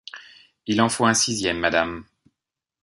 Il en faut un sixième, madame!